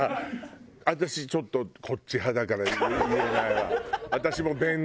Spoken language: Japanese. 私ちょっとこっち派だから言えないわ。